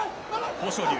豊昇龍。